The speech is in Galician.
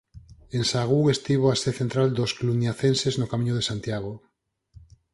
En Sahagún estivo a sé central dos cluniacenses no Camiño de Santiago.